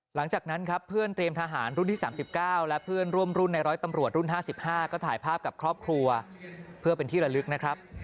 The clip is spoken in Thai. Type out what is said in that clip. หลังจากนั้นครับเพื่อนเตรียมทหารรุ่นที่๓๙และเพื่อนร่วมรุ่นในร้อยตำรวจรุ่น๕๕ก็ถ่ายภาพกับครอบครัวเพื่อเป็นที่ละลึกนะครับ